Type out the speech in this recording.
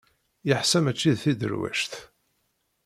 Yeḥṣa mačči d tiderwect.